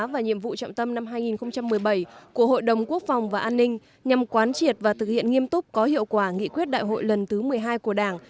và nhiệm vụ trọng tâm năm hai nghìn một mươi bảy của hội đồng quốc phòng và an ninh nhằm quán triệt và thực hiện nghiêm túc có hiệu quả nghị quyết đại hội lần thứ một mươi hai của đảng